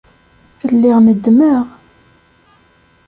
Lliɣ neddmeɣ.